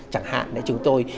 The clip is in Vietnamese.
chẳng hạn chúng tôi